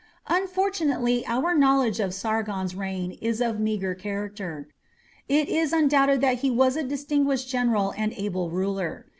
Unfortunately our knowledge of Sargon's reign is of meagre character. It is undoubted that he was a distinguished general and able ruler.